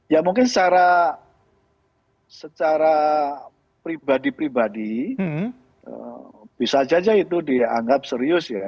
ya mungkin secara pribadi pribadi bisa saja itu dianggap serius ya